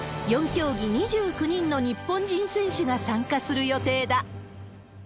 ４競技２９人の日本人選手が参加する予定だ。